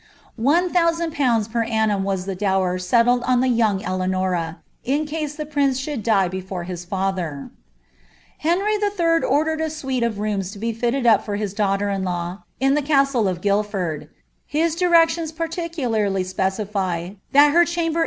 One thousand pounds annam was the dower settled on the young Eleanora, in case the ee should die before his father. ienry 111. ordered a suite of rooms to be fitted up for his daughter iw, in the castle of Guildford ; his directions particularly specify reserved iQ the Chapter Houie at Westminster.